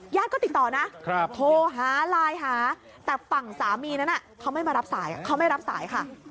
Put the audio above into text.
ญาติก็ติดต่อนะโทรหาไลน์หาแต่ฝั่งสามีนั้นเขาไม่มารับสาย